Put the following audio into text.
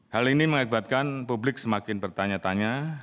hal ini mengakibatkan publik semakin bertanya tanya